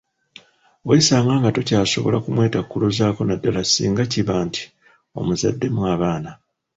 Weesanga nga tokyasobola kumwetakkuluzaako naddala singa kiba nti omuzaddemu abaana.